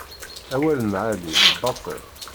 Awal n lεali baṭel.